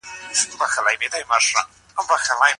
ولي هڅاند سړی د وړ کس په پرتله خنډونه ماتوي؟